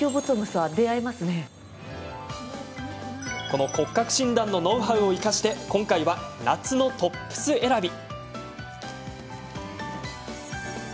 この骨格診断のノウハウを生かして今回は、夏のトップス選び。